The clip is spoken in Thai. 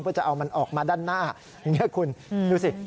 เพื่อจะเอามันออกมาด้านหน้าอย่างนี้คุณดูสิ